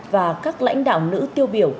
và các lãnh đạo nữ tiêu biểu